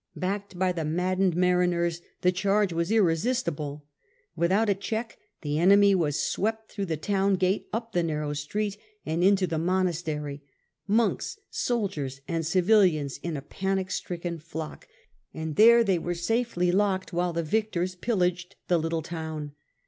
Backed by the maddened mariners the charge was irresistible. Without a check the enemy were swept through the town gate up the narrow street and into the monastery — monks, soldiers, and civilians in a panic stricken flock — and there they were safely locked while the victors pillaged the little town.